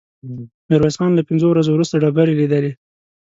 ميرويس خان له پنځو ورځو وروسته ډبرې ليدلې.